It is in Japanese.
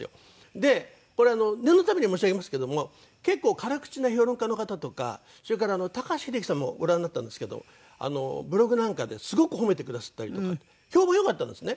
でこれ念のために申し上げますけども結構辛口な評論家の方とかそれから高橋英樹さんもご覧になったんですけどブログなんかですごく褒めてくだすったりとか評判良かったんですね。